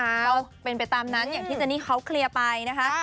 ก็เป็นไปตามนั้นอย่างที่เจนี่เขาเคลียร์ไปนะคะ